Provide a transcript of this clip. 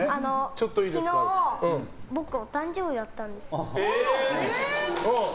昨日、僕お誕生日だったんです。